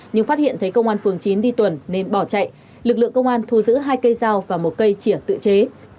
nhưng phát hiện thấy công an phường chín đi tuần nên bỏ chạy lực lượng công an thu giữ hai cây dao và một cây chỉa tự chế